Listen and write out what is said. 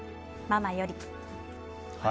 ママより。